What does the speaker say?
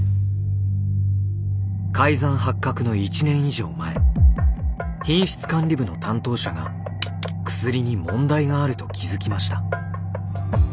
改ざん発覚の１年以上前品質管理部の担当者が薬に問題があると気付きました。